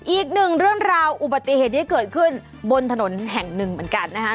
อีกหนึ่งเรื่องราวอุบัติเหตุที่เกิดขึ้นบนถนนแห่งหนึ่งเหมือนกันนะฮะ